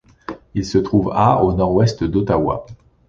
Il se trouve à au nord-ouest d'Ottawa.